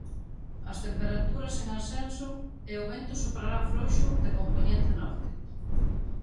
As temperaturas, en ascenso e o vento soprará frouxo de compoñente norte.